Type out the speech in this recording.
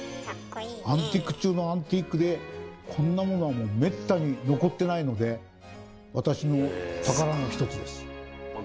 アンティーク中のアンティークでこんなものは滅多に残ってないので私の宝の一つです。